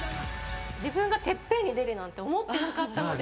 自分が『ＴＥＰＰＥＮ』に出るなんて思ってなかったので。